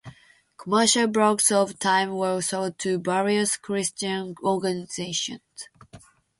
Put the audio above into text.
Commercial blocks of time were sold to various Christian organizations.